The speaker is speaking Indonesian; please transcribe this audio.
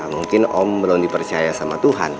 mungkin om belum dipercaya sama tuhan